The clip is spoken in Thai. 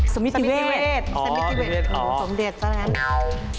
สมิติเวทสมิติเวทอ๋อสมเด็จสมิติเวทอ๋อสมเด็จ